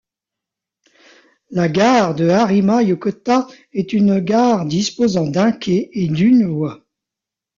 La gare de Harima-Yokota est une gare disposant d'un quai et d'une voie.